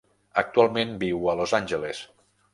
Actualment viu a Los Angeles.